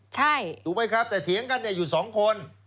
ใช่ถูกไหมครับแต่เถียงกันเนี่ยอยู่สองคน